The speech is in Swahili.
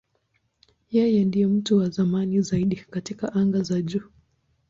Yeye ndiye mtu wa zamani zaidi katika anga za juu.